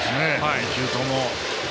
２球とも。